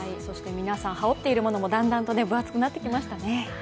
皆さん、羽織っているものもだんだんと分厚くなってきましたね。